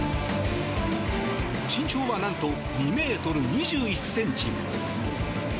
身長は、何と２ｍ２１ｃｍ！